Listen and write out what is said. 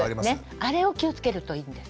あれを気をつけるといいんです。